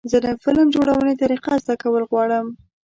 زه د فلم جوړونې طریقه زده کول غواړم.